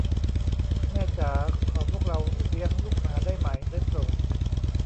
แม่จ๋า ขอพวกเราเลี้ยงลูกหมาได้ไหม ได้โปรด ?